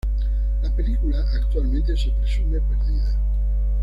La película actualmente se presume perdida.